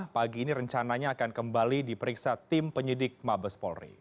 pagi ini rencananya akan kembali diperiksa tim penyidik mabes polri